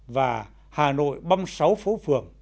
và hà nội băm sáu phố phường